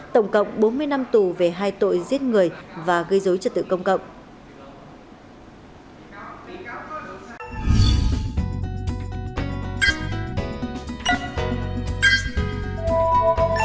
tổng cộng bốn mươi năm tù về hai tội giết người và gây dối trật tự công cộng